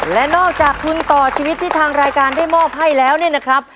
และนอกจากทุนต่อชีวิตที่ทางรายการได้มอบให้แล้วเนี่ยนะครับ